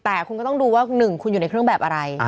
แต่คุณก็ต้องดูว่า๑คุณอยู่ในเครื่องแบบอะไร